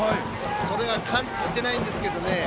それが完治してないんですけどね